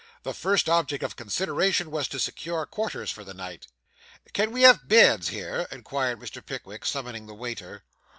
The first object of consideration was to secure quarters for the night. 'Can we have beds here?' inquired Mr. Pickwick, summoning the waiter.